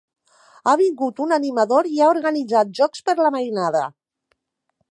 Ha vingut un animador i ha organitzat jocs per la mainada.